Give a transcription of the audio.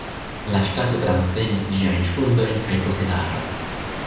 La ŝtato transprenis ĝiajn ŝuldojn kaj posedaĵojn.